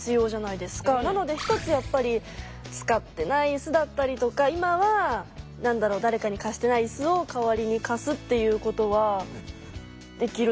なので一つやっぱり使ってないいすだったりとか今は何だろう誰かに貸してないいすを代わりに貸すっていうことはできるのかなって思います。